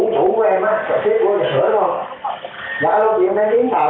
chủ của em á